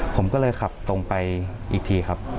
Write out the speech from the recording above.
ผมก็เลยขับตรงไปอีกทีครับ